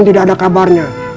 tidak ada kabarnya